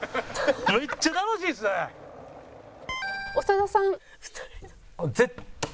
長田さん。